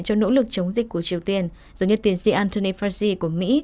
cho nỗ lực chống dịch của triều tiên giống như tiến sĩ anthony fauci của mỹ